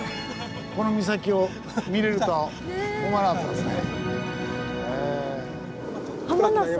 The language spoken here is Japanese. この岬を見れるとは思わなかったですね。